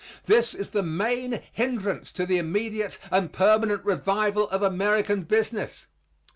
This is the main hindrance to the immediate and permanent revival of American business.